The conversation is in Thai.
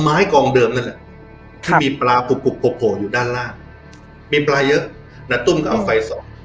ไม้กองเดิมนั่นที่มีปลาผลุคต์ผลบผลโหลอยู่ด้านล่างมีปลายเยอะน่ะตุ้มก็เอาไฟ